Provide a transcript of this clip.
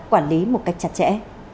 quản lý một cách chặt chẽ